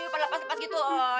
pada lepas lepas gitu loh